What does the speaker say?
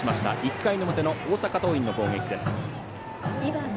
１回の表大阪桐蔭の攻撃です。